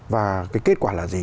và cái kết quả là gì